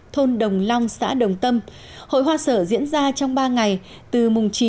thôn đồng long xã đồng tâm hội hoa sở diễn ra trong ba ngày từ chín một mươi một một mươi hai